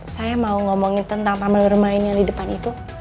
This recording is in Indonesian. saya mau ngomongin tentang pamer bermain yang di depan itu